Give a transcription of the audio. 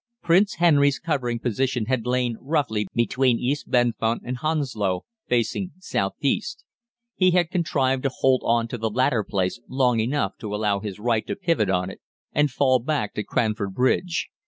Prince Henry's covering position had lain roughly between East Bedfont and Hounslow, facing south east. He had contrived to hold on to the latter place long enough to allow his right to pivot on it and fall back to Cranford Bridge.